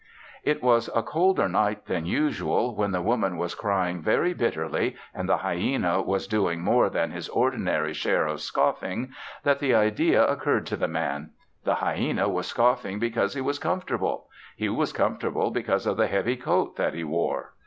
It was a colder night than usual, when the Woman was crying very bitterly and the hyena was doing more than his ordinary share of scoffing, that the idea occurred to the Man. The hyena was scoffing because he was comfortable; he was comfortable because of the heavy coat that he wore.